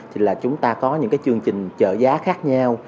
thì là chúng ta có những cái chương trình trợ giá khác nhau